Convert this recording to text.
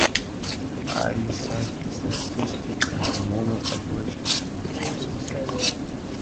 I cited statistics on enrollment, graduation rates, and student success.